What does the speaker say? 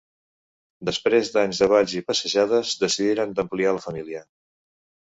Després d'anys de balls i passejades, decidiren d'ampliar la família.